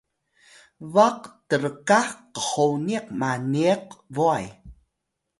baq trkax qhoniq maniq bway